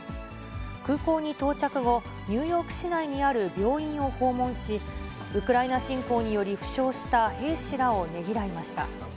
空港に到着後、ニューヨーク市内にある病院を訪問し、ウクライナ侵攻により負傷した兵士らをねぎらいました。